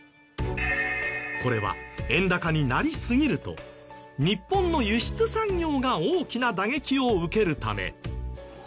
これは円高になりすぎると日本の輸出産業が大きな打撃を受けるため。